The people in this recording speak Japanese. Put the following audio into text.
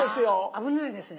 危ないですね。